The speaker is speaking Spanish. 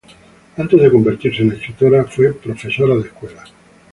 Antes de convertirse en escritora, fue profesora de escuela.